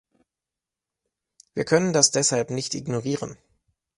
Wir können das deshalb nicht ignorieren.